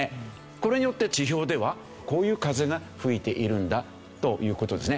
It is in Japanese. これによって地表ではこういう風が吹いているんだという事ですね。